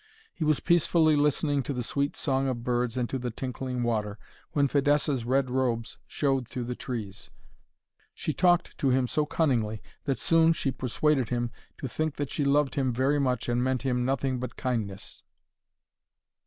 He was peacefully listening to the sweet song of birds, and to the tinkling water, when Fidessa's red robes showed through the trees. She talked to him so cunningly that soon she persuaded him to think that she loved him very much and meant him nothing but kindness.